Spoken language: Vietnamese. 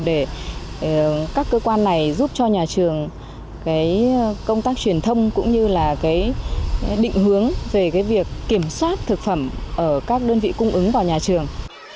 để các cơ quan này giúp cho nhà trường cái công tác truyền thông cũng như là cái định hướng về cái việc kiểm soát thực phẩm ở các đơn vị cung ứng vào nhà trường